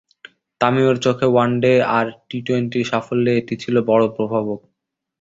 তামিমের চোখে ওয়ানডে আর টি টোয়েন্টির সাফল্যে এটি ছিল বড় প্রভাবক।